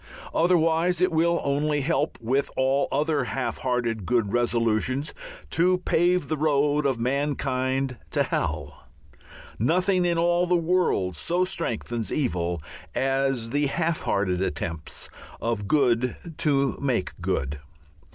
Otherwise it will only help, with all other half hearted good resolutions, to pave the road of mankind to hell. Nothing in all the world so strengthens evil as the half hearted attempts of good to make good.